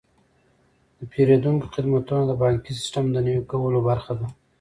د پیرودونکو خدمتونه د بانکي سیستم د نوي کولو برخه ده.